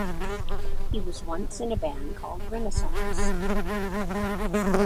He was once in a band called Renaissance.